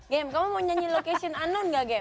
gem kamu mau nyanyi location unknown nggak gem